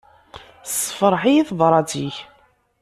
Tessefṛeḥ-iyi tebrat-ik.